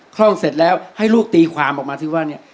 ข้องเสร็จแล้วให้ลูกตีความออกมาสิว่าเนี่ย